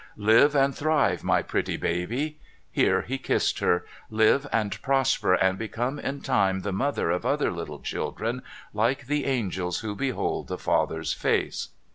Live and thrive, my pretty baby !' Here he kissed her. ' Live and prosper, and become in time the mother of other little children, like the Angels who behold The Father's face